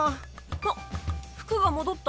あっ服が戻った。